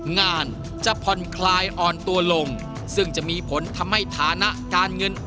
งานจะผ่อนคลายอ่อนตัวลงซึ่งจะมีผลทำให้ฐานะการเงิน